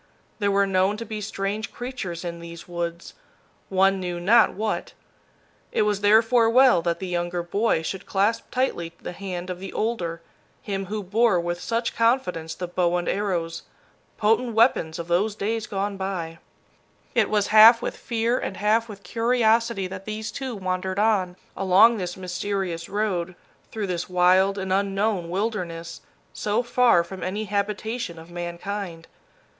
There were known to be strange creatures in these woods, one knew not what. It was therefore well that the younger boy should clasp tightly the hand of the older, him who bore with such confidence the bow and arrows, potent weapons of those days gone by! It was half with fear and half with curiosity that these two wandered on, along this mysterious road, through this wild and unknown wilderness, so far from any habitation of mankind.